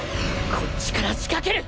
こっちから仕掛ける！